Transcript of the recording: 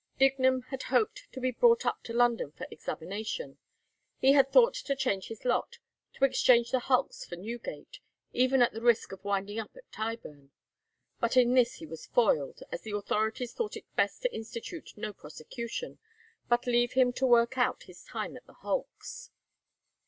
Dignum had hoped to be brought up to London for examination. He had thought to change his lot, to exchange the hulks for Newgate, even at the risk of winding up at Tyburn. But in this he was foiled, as the authorities thought it best to institute no prosecution, but leave him to work out his time at the hulks.